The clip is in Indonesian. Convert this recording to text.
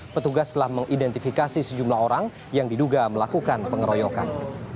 petugas telah mengidentifikasi sejumlah orang yang diduga melakukan pengeroyokan